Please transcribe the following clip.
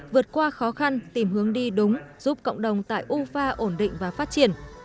vượt qua khó khăn tìm hướng đi đúng giúp cộng đồng tại ufa ổn định và phát triển